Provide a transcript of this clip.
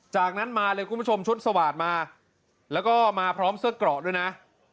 จากนั้นมาเลยคุณผู้ชมชุดสวาสตร์มาแล้วก็มาพร้อมเสื้อเกราะด้วยนะ